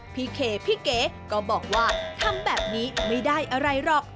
พี่เคพี่เก๋ก็บอกว่าทำแบบนี้ไม่ได้อะไรหรอก